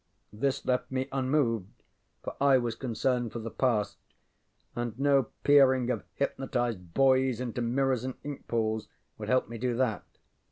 This left me unmoved, for I was concerned for the past, and no peering of hypnotized boys into mirrors and ink pools would help me do that.